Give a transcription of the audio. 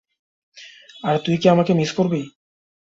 আর তুই কী আমাকে মিস করবি?